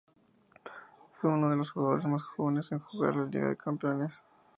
Fue uno de los jugadores más jóvenes en jugar en la Liga de Campeones.